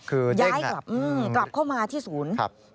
คือเจ๊กนะย้ายกลับเข้ามาที่ศูนย์